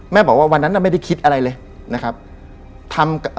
แม่บอกว่าวันนั้นเราไม่ได้คิดอะไรเลยนะครับทำเอ่อ